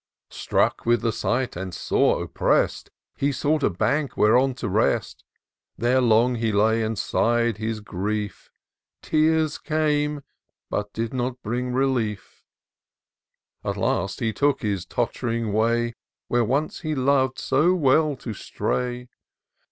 Struck with the sight, and sore oppressed. He sought a bank whereon to rest ; There long he lay, and sigh'd his grief; Tears came — ^but did not bring relief : At last, he took his tott'ring way Where once he lov'd so well to stray.